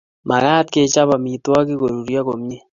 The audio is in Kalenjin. Magat kechob amitwogik koruryo komie